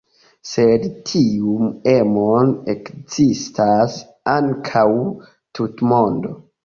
Sed tiun emon ekzistas ankaŭ tutmonde.